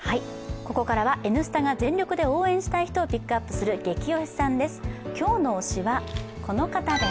ここからは「Ｎスタ」が全力で応援したい人をゲキ推しする「ゲキ推しさん」です。